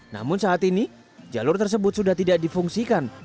namun saat ini jalur tersebut sudah tidak difungsikan